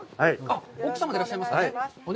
奥様でいらっしゃいますね。